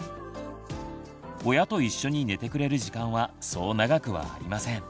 親と一緒に寝てくれる時間はそう長くはありません。